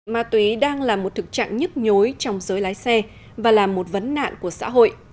ma túy đang là một thực trạng nhức nhối trong giới lái xe và là một vấn nạn của xã hội